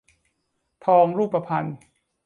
ทองรูปพรรณ